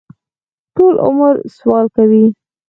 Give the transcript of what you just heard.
ټول عمر سوال کوي.